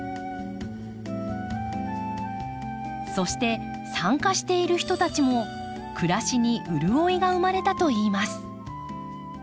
そして参加している人たちも暮らしに潤いが生まれたといいます。